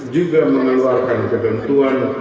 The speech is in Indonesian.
juga mengeluarkan kebentuan